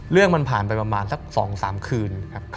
เรื่องมันผ่านไปประมาณสัก๒๓คืนครับ